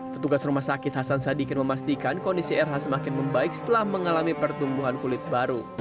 petugas rumah sakit hasan sadikin memastikan kondisi rh semakin membaik setelah mengalami pertumbuhan kulit baru